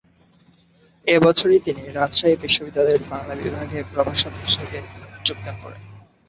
এ বছরই তিনি রাজশাহী বিশ্ববিদ্যালয়ের বাংলা বিভাগে প্রভাষক হিসেবে যোগদান করেন।